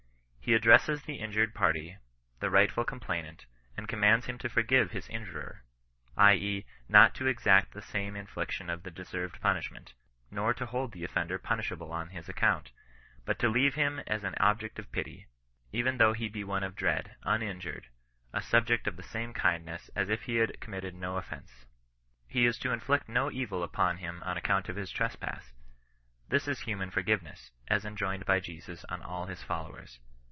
He addresses the injured party, the rightful complainant, and commands him to lorgive his injurer ; i. e. not to exact the infliction of the deserved punishment ; not to hold the oflender pun ishable on his account, but to leave him as an object of pity, even though he be one of dread, uninjured — a sub ject of the same kindness as if he had committed no of fence. He is to inflict no evil upon him on account of his trespass. This is human forgiveness, as enjoined by Jesus on all his followers.